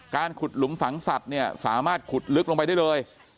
การขุดหลุมฝังสัตว์เนี่ยสามารถขุดลึกลงไปได้เลย